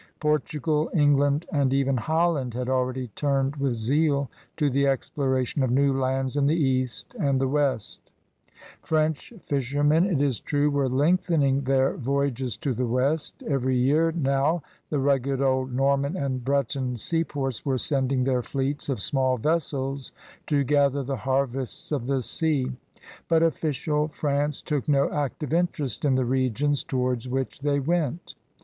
Portugal, England, and even Holland had already turned with zeal to the exploration of new lands in the East and the West; French fishermen, it is true, were lengthening their voyages to the west; every year now the rugged old Norman and Breton seaports were sending their fleets of small vessels to gather the harvests of the sea. But official France took no active interest in the r^ons toward which they went.